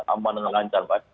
aman dan lancar pak